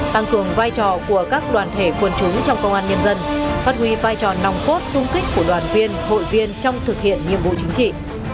tăng cường vai trò của các đoàn thể quân chúng trong công an nhân dân phát huy vai trò nòng cốt chung kích của đoàn viên hội viên trong thực hiện nhiệm vụ chính trị